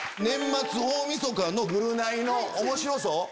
年末大みそかの『ぐるナイおもしろ荘』。